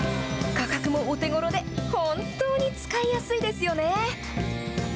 価格もお手ごろで、本当に使いやすいですよね。